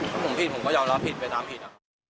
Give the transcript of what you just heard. ถ้าผมผิดผมก็ยอมรับผิดไปตามผิด